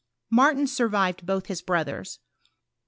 Martin survived both his brothers.